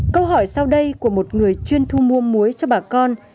câu hỏi sau đây của một người chuyên thu mua muối cho bà con